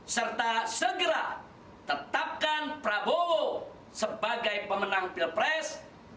serta segera tetapkan prabowo sebagai pemenang pilpres dua ribu sembilan belas